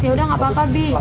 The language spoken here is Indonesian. yaudah gak apa apa bi